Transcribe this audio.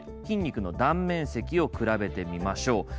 筋肉の断面積を比べてみましょう。